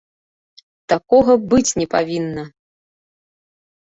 Такога быць не павінна!